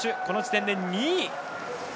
この時点で２位。